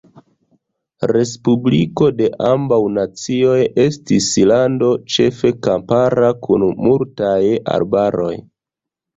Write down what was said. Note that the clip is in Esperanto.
Respubliko de Ambaŭ Nacioj estis lando ĉefe kampara kun multaj arbaroj.